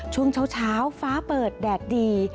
ช่วงเช้าฟ้าเปิดแดดดี